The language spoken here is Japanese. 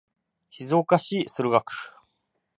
静岡市駿河区